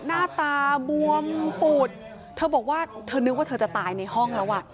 หน้าตาบวมปูดเธอบอกว่าเธอนึกว่าเธอจะตายในห้องแล้วอ่ะ